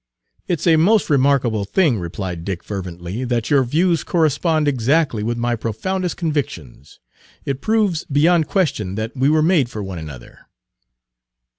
"It's a most remarkable thing," replied Dick fervently, "that your views correspond exactly with my profoundest convictions. It proves beyond question that we were made for one another."